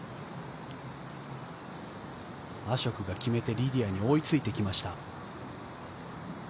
アショクが決めて、リディアに追いついてきました。